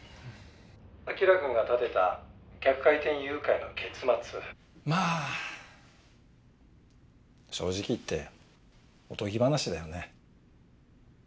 「輝くんが立てた逆回転誘拐の結末」まあ正直言っておとぎ話だよね。